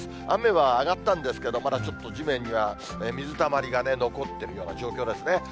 雨は上がったんですけど、まだちょっと地面には水たまりが残っているような状況ですね。